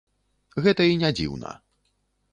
Гэта і не дзіўна.